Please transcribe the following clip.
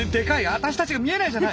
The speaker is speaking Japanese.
アタシたちが見えないじゃない！